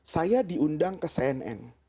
saya diundang ke cnn